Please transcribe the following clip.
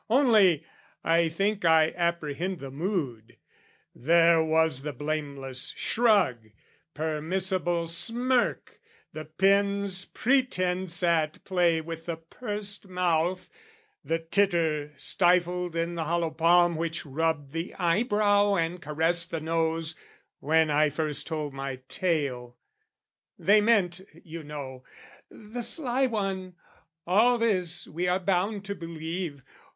Only, I think I apprehend the mood: There was the blameless shrug, permissible smirk, The pen's pretence at play with the pursed mouth, The titter stifled in the hollow palm Which rubbed the eyebrow and caressed the nose, When I first told my tale: they meant, you know, "The sly one, all this we are bound believe!